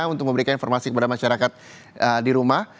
untuk memberikan informasi kepada masyarakat di rumah